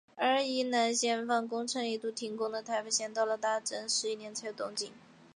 而因为宜兰线与枋寮线工程一度停工的台东线工程则到了大正十一年才又有动静。